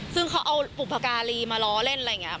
ซึ่งเขาเอาบุพการีมาล้อเล่นอะไรอย่างนี้